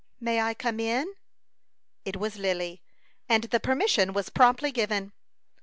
"May I come in?" It was Lily, and the permission was promptly given.